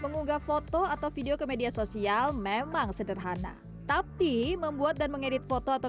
mengunggah foto atau video ke media sosial memang sederhana tapi membuat dan mengedit foto atau